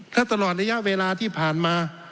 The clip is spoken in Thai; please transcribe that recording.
ถ้าตลอดระยะเวลาที่ผ่านมา